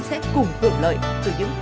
sẽ cùng hưởng lợi từ những